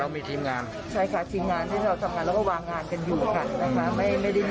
บอกหน่อยได้ไหมบอกหน่อยได้ไหม